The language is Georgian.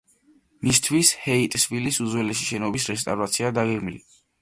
მისთვის ჰეიტსვილის უძველესი შენობის რესტავრაციაა დაგეგმილი.